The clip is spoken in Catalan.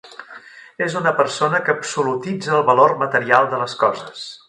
És una persona que absolutitza el valor material de les coses.